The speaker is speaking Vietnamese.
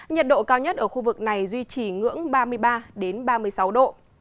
nhiệt độ cao nhất ở khu vực này duy trì ngưỡng ba mươi ba ba mươi sáu độ